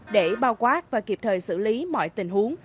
để bao quát và kịp thời xử lý mọi tình huống